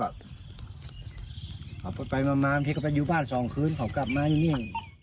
เขาไปม้ำเท็คละไปอยู่บ้าน๒คืนเขากลับมาอยู่นี่